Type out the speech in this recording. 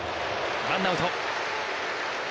ワンアウト。